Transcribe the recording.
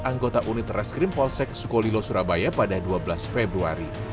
anggota unit reskrim polsek sukolilo surabaya pada dua belas februari